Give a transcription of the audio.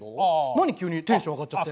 何急にテンション上がっちゃって。